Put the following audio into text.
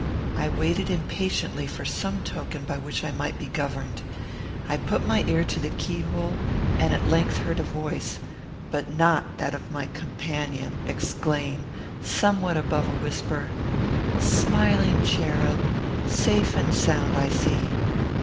I waited impatiently for some token by which I might be governed. I put my ear to the keyhole, and at length heard a voice, but not that of my companion, exclaim, somewhat above a whisper, "Smiling cherub! safe and sound, I see.